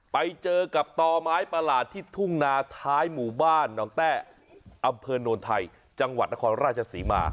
ไปเจอกับต่อไม้ประหลาดที่ทุ่งนาท้ายหมู่บ้านหนองแต้อำเภอโนนไทยจังหวัดนครราชศรีมา